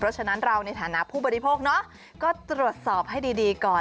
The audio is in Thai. เพราะฉะนั้นเราในฐานะผู้บริโภคเนาะก็ตรวจสอบให้ดีก่อน